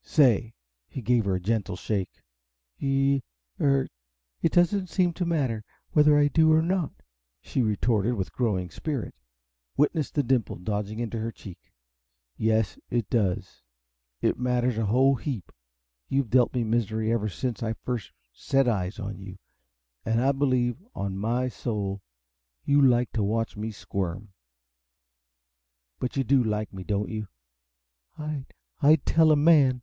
Say!" He gave her a gentle shake. "Ye er it doesn't seem to matter, whether I do or not," she retorted with growing spirit witness the dimple dodging into her cheek. "Yes, it does it matters a whole heap. You've dealt me misery ever since I first set eyes on you and I believe, on my soul, you liked to watch me squirm! But you do like me, don't you?" "I I'd tell a man!"